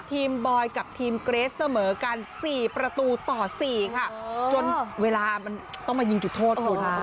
บอยกับทีมเกรสเสมอกัน๔ประตูต่อ๔ค่ะจนเวลามันต้องมายิงจุดโทษคุณ